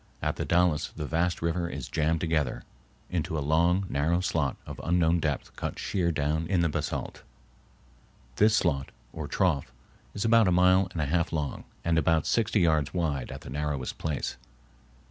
At the Dalles the vast river is jammed together into a long, narrow slot of unknown depth cut sheer down in the basalt. This slot, or trough, is about a mile and a half long and about sixty yards wide at the narrowest place.